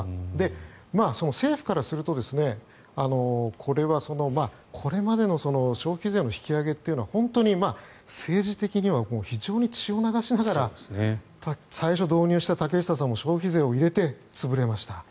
政府からするとこれは、これまでの消費税の引き上げというのは本当に政治的には非常に血を流しながら最初導入した竹下さんも消費税を導入して潰れました。